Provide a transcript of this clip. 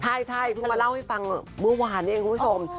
ใช่เพิ่งมาเล่าให้ฟังเมื่อวานนี้เองคุณผู้ชม